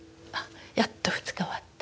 やっと２日終わった。